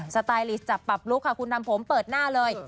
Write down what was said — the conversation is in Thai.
สไตลิสต์จับปรับลุคค่ะคุณทำผมเปิดหน้าเลย